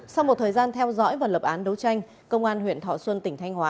sau một thời gian theo dõi và lập án đấu tranh công an huyện thọ xuân tỉnh thanh hóa